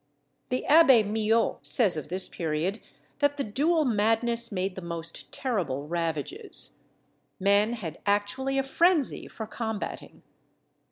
The Abbé Millot says of this period, that the duel madness made the most terrible ravages. Men had actually a frenzy for combating.